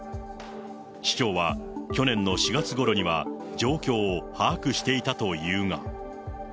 市長は去年の４月ごろには状況を把握していたというが。